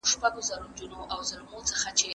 تاسي باید په سفر کې له ملګرو سره مرسته وکړئ.